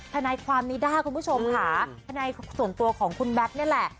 ฐความนิด้าคุณผู้ชมค่ะฐส่วนตัวของคุณแม็ตเนี่ยแหละ